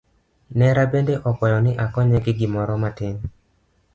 Nera bende okwaya ni akonye gi gimoro matin.